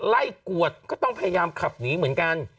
กวดก็ต้องพยายามขับหนีเหมือนกัน